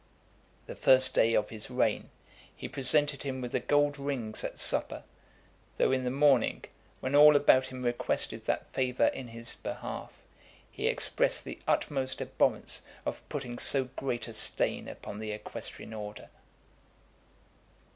The first day of his reign, he presented him with the gold rings at supper, though in the morning, when all about him requested that favour in his behalf, he expressed the utmost abhorrence of putting so great a stain upon the equestrian order.